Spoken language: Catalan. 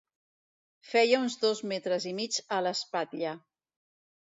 Feia uns dos metres i mig a l'espatlla.